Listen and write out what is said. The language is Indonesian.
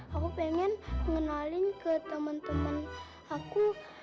aku pengen ngenalin ke temen temen aku